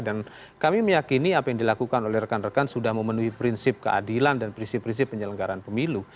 dan kami meyakini apa yang dilakukan oleh rekan rekan sudah memenuhi prinsip keadilan dan prinsip prinsip penyelenggaran pemilu